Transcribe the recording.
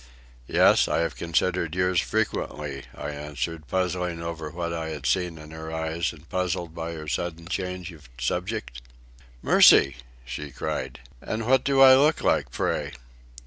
"Yes, I have considered yours, frequently," I answered, puzzling over what I had seen in her eyes and puzzled by her sudden change of subject. "Mercy!" she cried. "And what do I look like, pray?"